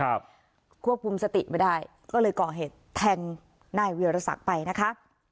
ควบคุมสติไม่ได้ก็เลยก่อเหตุแทงนายเวียรศักดิ์ไปนะคะ